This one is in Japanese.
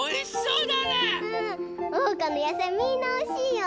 おうかのやさいみんなおいしいよ。